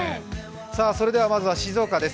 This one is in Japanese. それではまずは静岡です。